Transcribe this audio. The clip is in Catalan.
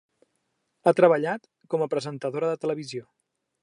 Ha treballat com a presentadora de televisió.